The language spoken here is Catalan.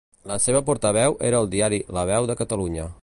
La seva portaveu era el diari La Veu de Catalunya.